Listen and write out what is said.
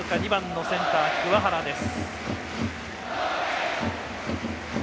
２番のセンター、桑原です。